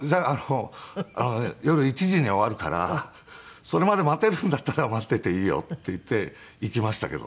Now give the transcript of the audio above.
「夜１時に終わるからそれまで待てるんだったら待っていていいよ」って言って行きましたけど。